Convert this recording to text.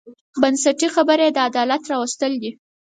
بنسټي خبره یې د عدالت راوستل دي.